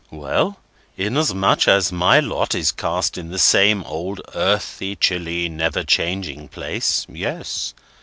"Well! inasmuch as my lot is cast in the same old earthy, chilly, never changing place, Yes.